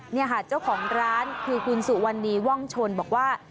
นี่ค่ะเจ้าของร้านคือคุณสุวรรณีว่องชนบอกว่า